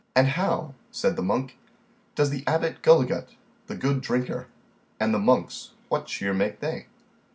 And how, said the monk, does the Abbot Gulligut, the good drinker, and the monks, what cheer make they?